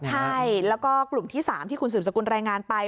ใช่แล้วก็กลุ่มที่๓ที่คุณสืบสกุลรายงานไป